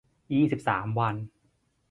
ยี่สิบสาม วัน